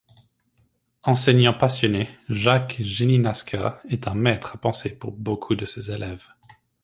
Enseignant passionné, Jacques Geninasca est un maître à penser pour beaucoup de ses élèves.